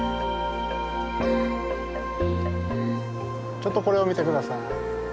ちょっとこれを見て下さい。